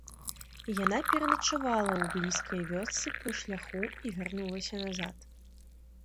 Яна пераначавала ў блізкай вёсцы пры шляху і вярнулася назад.